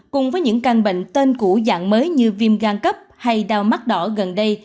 cùng với những căn bệnh tên cũ dạng mới như viêm gan cấp hay đau mắt đỏ gần đây